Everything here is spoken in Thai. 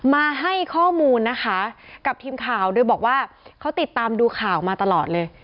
มาให้ข้อมูลนะคะกับทีมข่าวโดยบอกว่าเขาติดตามดูข่าวมาตลอดเลย